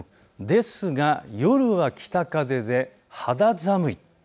ですが夜は北風で肌寒い。